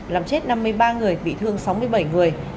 làm chết năm mươi ba người bị thương sáu mươi bảy người